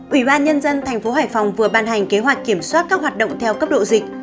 ủy ban nhân dân thành phố hải phòng vừa ban hành kế hoạch kiểm soát các hoạt động theo cấp độ dịch